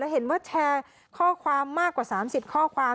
เห็นว่าแชร์ข้อความมากกว่า๓๐ข้อความ